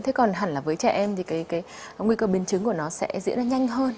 thế còn hẳn là với trẻ em thì cái nguy cơ biến chứng của nó sẽ diễn ra nhanh hơn